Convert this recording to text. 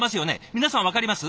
皆さん分かります？